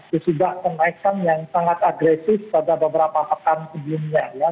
sesudah kenaikan yang sangat agresif pada beberapa pekan sebelumnya ya